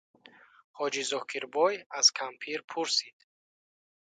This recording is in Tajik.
– Ҳоҷӣ Зокирбой аз кампир пурсид.